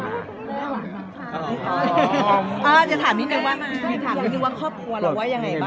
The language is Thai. จะถามนิดหนึ่งว่าข้อบคุณเราว่ายังไงบ้าง